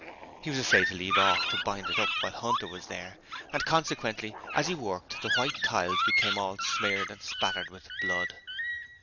He was afraid to leave off to bind it up while Hunter was there, and consequently as he worked the white tiles became all smeared and spattered with blood.